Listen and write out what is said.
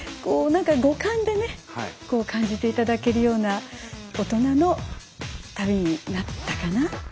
何か五感でね感じていただけるような大人の旅になったかなと思います。